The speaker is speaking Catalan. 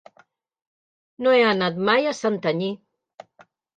No he anat mai a Santanyí.